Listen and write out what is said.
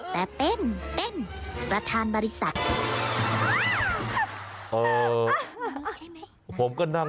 ความลับของแมวความลับของแมว